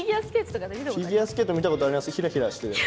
フィギュアスケート見たことあります。